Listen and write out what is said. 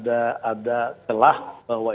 ada telah bahwa